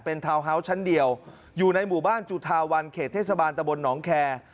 ทาวน์ฮาวส์ชั้นเดียวอยู่ในหมู่บ้านจุธาวันเขตเทศบาลตะบลหนองแคร์